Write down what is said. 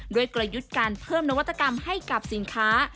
กลยุทธ์การเพิ่มนวัตกรรมให้กับสินค้า